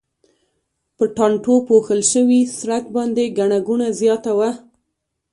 په ټانټو پوښل شوي سړک باندې ګڼه ګوڼه زیاته وه.